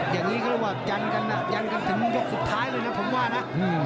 อย่างนี้เขาว่าจันกันถึงยกสุดท้ายเลยนะผมว่านะ